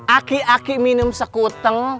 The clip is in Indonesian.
aki aki minum sekuteng